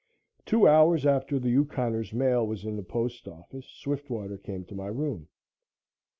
Two hours after the Yukoner's mail was in the postoffice, Swiftwater came to my room.